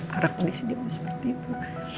harapnya di sini bisa seperti itu